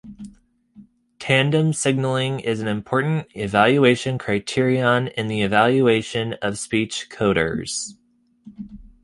Tandem signaling is an important evaluation criterion in the evaluation of speech coders.